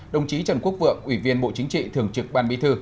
đồng chí trần quốc vượng ủy viên bộ chính trị thường trực ban bí thư